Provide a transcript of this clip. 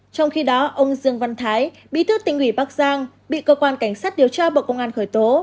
trong khi đó ông dương văn thái bí thư tỉnh ủy bắc giang bị cơ quan cảnh sát điều tra bộ công an khởi tố